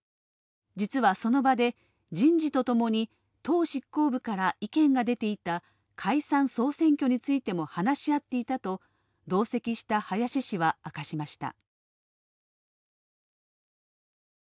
実はその場で、人事とともに党執行部から意見が出ていた解散総選挙についても話し合っていたと同席した林氏は明かしました。